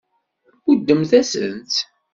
Tmuddemt-asent-tt.